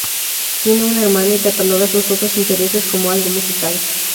Tiene una hermana y cataloga sus otros intereses como "algo musical".